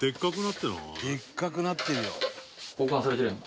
「でっかくなってない？」